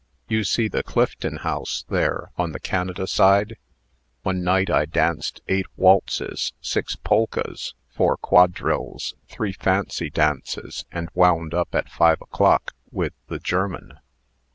"You see the Clifton House, there, on the Canada side? One night I danced eight waltzes, six polkas, four quadrilles, three fancy dances, and wound up, at five o'clock, with the German."